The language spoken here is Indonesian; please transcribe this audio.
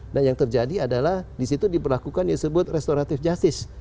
nah yang terjadi adalah di situ diperlakukan yang disebut restoratif jastis